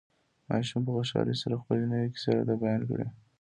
ماشوم په خوشحالۍ سره خپلې نوې کيسې راته بيان کړې.